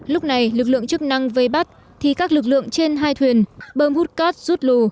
lúc này lực lượng chức năng vây bắt thì các lực lượng trên hai thuyền bơm hút cát rút lù